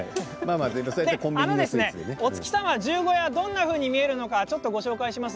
お月様、十五夜どんなふうに見えるのかご紹介します。